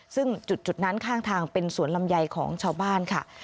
ซึ่งจุดนั้นข้างทางเป็นสวนลำไยของชาวบ้านค่ะ